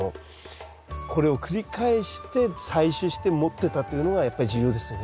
これを繰り返して採種して持ってたというのがやっぱり重要ですよね。